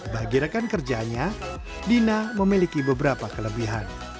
bagi rekan kerjanya dina memiliki beberapa kelebihan